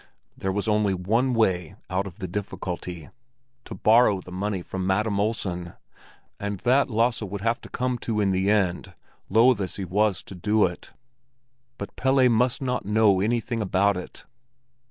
There was only one way out of the difficulty—to borrow the money from Madam Olsen; and that Lasse would have to come to in the end, loth as he was to do it. But Pelle must not know anything about it.